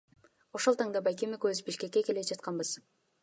Ошол таңда байкем экөөбүз Бишкекке келе жатканбыз.